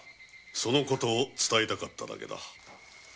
その事を伝えたかっただけだ。